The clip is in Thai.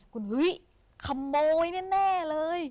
คุณเฮ้ยขโมยแน่เลย